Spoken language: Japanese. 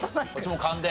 勘で？